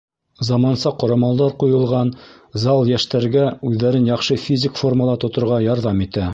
Заманса ҡорамалдар ҡуйылған зал йәштәргә үҙҙәрен яҡшы физик формала тоторға ярҙам итә.